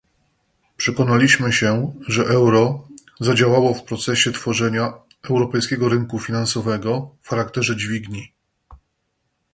Przekonaliśmy się, że euro zadziałało w procesie tworzenia europejskiego rynku finansowego w charakterze dźwigni